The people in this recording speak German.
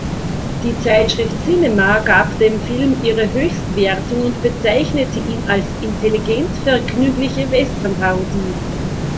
Die Zeitschrift Cinema gab dem Film ihre Höchstwertung und bezeichnete ihn als „"intelligent-vergnügliche Westernparodie"“.